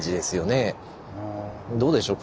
どうでしょう